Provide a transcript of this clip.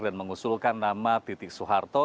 dan mengusulkan nama titik soeharto